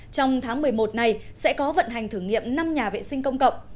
trong tháng một mươi một này sẽ có vận hành thử nghiệm năm nhà vệ sinh công cộng